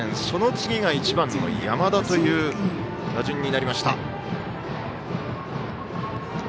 その次が１番の山田という打順。